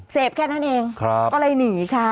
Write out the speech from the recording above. แค่นั้นเองก็เลยหนีค่ะ